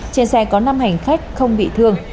trên xe có năm hành khách không bị thương